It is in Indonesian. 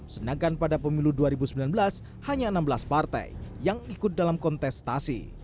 sedangkan pada pemilu dua ribu sembilan belas hanya enam belas partai yang ikut dalam kontestasi